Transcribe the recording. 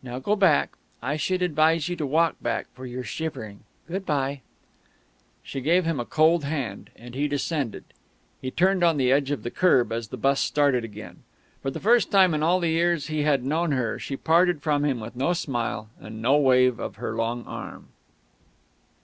Now go back. I should advise you to walk back, for you're shivering good bye " She gave him a cold hand, and he descended. He turned on the edge of the kerb as the bus started again. For the first time in all the years he had known her she parted from him with no smile and no wave of her long arm.